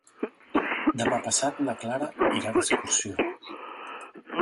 Demà passat na Clara irà d'excursió.